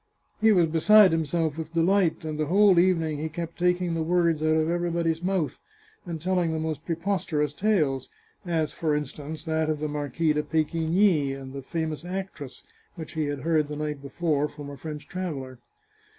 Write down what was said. He was beside himself with delight, and the whole evening he kept taking the words out of everybody's mouth and telling the most preposterous tales (as, for in stance, that of the Marquis de Pecquiny and the famous actress, which he had heard the night before from a French traveller).